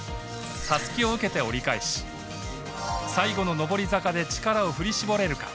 たすきを受けて折り返し最後の上り坂で力を振り絞れるか。